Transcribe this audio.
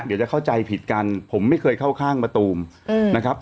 เดี๋ยวจะเข้าใจผิดกันผมไม่เคยเข้าข้างมะตูมนะครับ